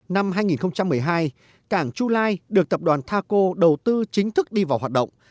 năm hai nghìn một mươi hai cảng chu lai được tập đoàn thaco đầu tư chính thức đi vào hoạt động